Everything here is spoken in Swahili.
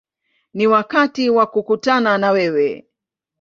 Ni wakati wa kukutana na wewe”.